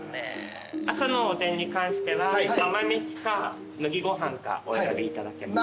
朝のお膳に関しては釜飯か麦ご飯かお選びいただけます。